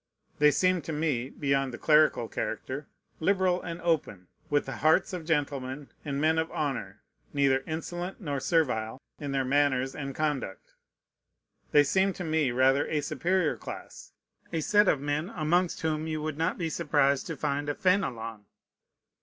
They seemed to me, beyond the clerical character, liberal and open, with the hearts of gentlemen and men of honor, neither insolent nor servile in their manners and conduct. They seemed to me rather a superior class, a set of men amongst whom you would not be surprised to find a Fénelon.